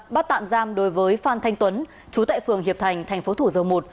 bắt tạm giam đối với phan thanh tuấn chú tại phường hiệp thành tp thủ dầu một